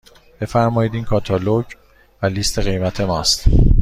بفرمایید این کاتالوگ و لیست قیمت ماست.